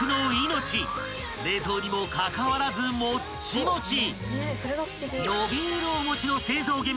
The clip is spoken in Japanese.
［冷凍にもかかわらずもっちもち］